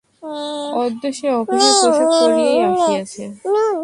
অদ্য সে অফিসের পোষাক পরিয়াই আসিয়াছে।